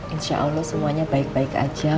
insya allah semuanya baik baik aja